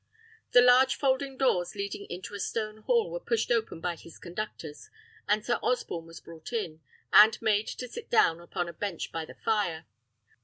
The large folding doors leading into a stone hall were pushed open by his conductors, and Sir Osborne was brought in, and made to sit down upon a bench by the fire.